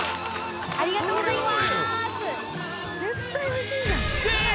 ありがとうございます！